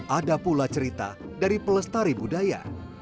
ada pula cerita dari pelestari budaya